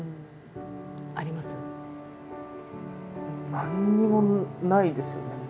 何にもないんですよね。